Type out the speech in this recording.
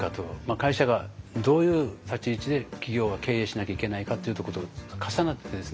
会社がどういう立ち位置で企業は経営しなきゃいけないかっていうとこと重なってですね。